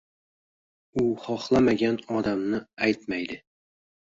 U xohlamagan odamnii aytmaydi.